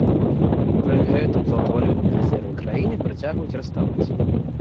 Пры гэтым золатавалютныя рэзервы краіны працягваюць раставаць.